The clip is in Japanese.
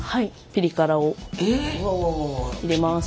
ピリ辛を入れます。